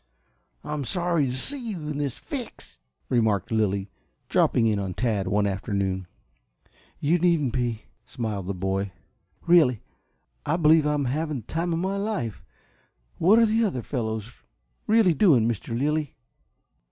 "I'm sorry to see you in this fix," remarked Lilly, dropping in on Tad one afternoon. "You needn't be," smiled the boy. "Really, I believe I'm having the time of my life. What are the other fellows really doing, Mr. Lilly?"